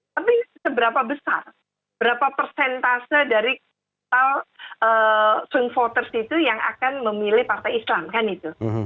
tapi seberapa besar berapa persentase dari total swing voters itu yang akan memilih partai islam kan itu